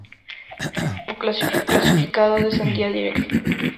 El último clasificado descendía directamente.